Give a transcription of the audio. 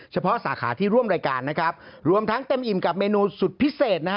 สาขาที่ร่วมรายการนะครับรวมทั้งเต็มอิ่มกับเมนูสุดพิเศษนะฮะ